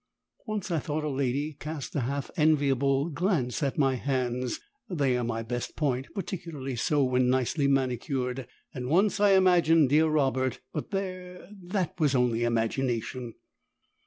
Once I thought a lady cast a half enviable glance at my hands; they are my best point, particularly so, when nicely manicured and once I imagined, dear Robert, but there, THAT was only imagination.